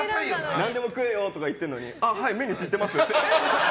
何でも食えよとか言ってるのにはい、メニュー知ってますとか。